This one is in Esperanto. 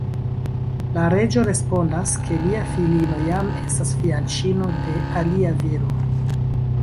La reĝo respondas, ke lia filino jam estas fianĉino de alia viro.